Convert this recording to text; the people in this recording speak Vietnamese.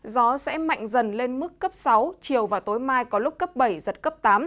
gió sẽ mạnh dần lên mức cấp sáu chiều và tối mai có lúc cấp bảy giật cấp tám